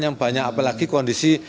yang banyak apalagi kondisi